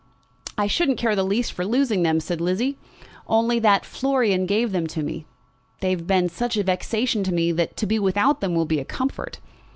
"I shouldn't care the least for losing them," said Lizzie, "only that Florian gave them to me. They have been such a vexation to me that to be without them will be a comfort."